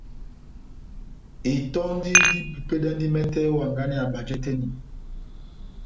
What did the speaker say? Itɔndi dipupedɛndi mɛtɛ ó hanganɛ ya bajɛ tɛ́h eni.